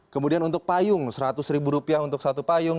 kemudian untuk payung seratus ribu rupiah untuk satu payung